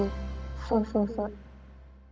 そうそうそう。